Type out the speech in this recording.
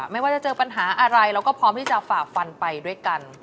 ไม่ว่าจะเจอปัญหาอะไรเราก็พร้อมที่จะฝ่าฟันไปด้วยกัน